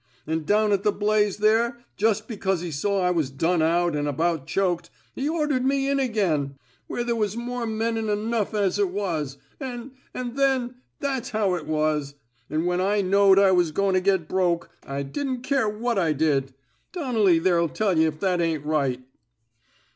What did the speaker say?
An' down at the blaze there, jus' be cause he saw I was done out an' about choked, he ordered me in again where there was more 272 A PERSONALLY CONDUCTED REVOLT men 'n enough as it was — an' — an' then — that's how it was. An' when I knowed I was goin' to get broke, I didn't care what I did. Donnelly there'll tell ynh if that ain't right."